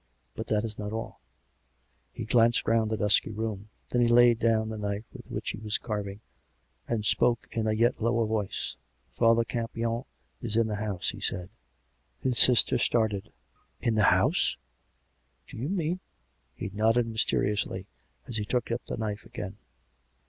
But that is not all ——" He glanced round the dusky room; then he laid down the knife with which he was carving; and spoke in a yet lower voice. " Father Campion is in the house," he said. His sister started. " In the house? ... Do you mean " He nodded mysteriously, as he took up the knife again.